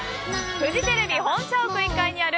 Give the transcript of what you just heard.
フジテレビ本社屋１階にある